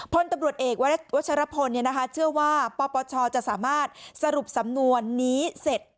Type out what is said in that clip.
พลตำรวจเอกวัชรพลเชื่อว่าปปชจะสามารถสรุปสำนวนนี้เสร็จ